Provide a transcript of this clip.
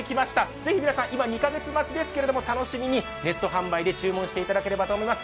ぜひ、皆さん、今２カ月待ちですけど、楽しみにネット販売で注文していただければと思います。